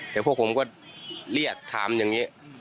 แต่พวกผมก็เรียกถามอย่างนี้